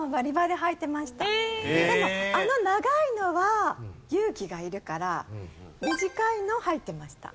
でもあの長いのは勇気がいるから短いのをはいてました。